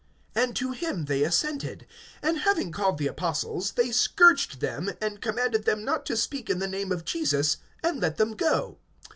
(40)And to him they assented; and having called the apostles, they scourged them, and commanded them not to speak in the name of Jesus, and let them go.